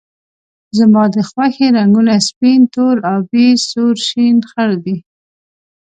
زما د خوښې رنګونه سپین، تور، آبي ، سور، شین ، خړ دي